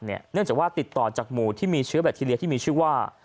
เนื่องจากว่าติดต่อจากหมู่ที่มีเชื้อแบคทีเรียที่มีชื่อว่า